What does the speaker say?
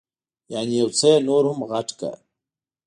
یعنې یو څه یې نور هم غټ کړه.